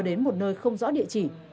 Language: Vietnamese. đến một nơi không rõ địa chỉ